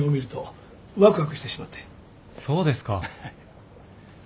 そうですか。